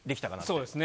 そうですね。